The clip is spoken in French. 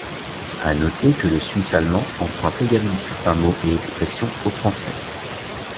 À noter que le suisse-allemand emprunte également certains mots et expressions au français.